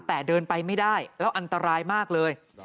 แต่เดินไปไม่ได้แล้วอันตรายมากเลย